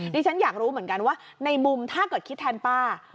ฉันอยากรู้เหมือนกันว่าในมุมถ้าเกิดคิดแทนป้า